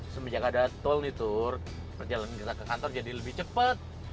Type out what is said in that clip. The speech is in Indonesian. semenjak ada tol nih tur perjalanan kita ke kantor jadi lebih cepet